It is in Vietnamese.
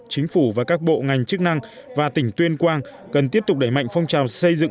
chính phủ và các bộ ngành chức năng và tỉnh tuyên quang cần tiếp tục đẩy mạnh phong trào xây dựng